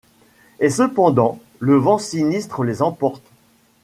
Et cependant le vent sinistre les emporte ;